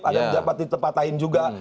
ada yang menjabat di tempat lain juga